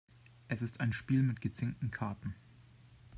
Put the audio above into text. Es ist ein Spiel mit gezinkten Karten.